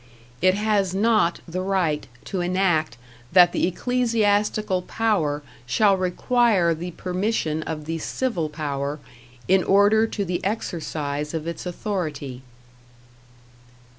It has not the right to enact that the ecclesiastical power shall require the permission of the civil power in order to the exercise of its authority.